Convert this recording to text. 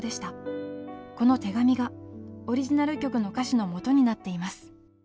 この手紙がオリジナル曲の歌詞のもとになっています。